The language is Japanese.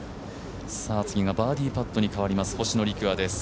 次がバーディーパットに変わります、星野陸也です。